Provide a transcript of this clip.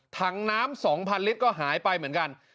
ถังน้ำ๒๐๐ลิตรก็หายไปเหมือนกัน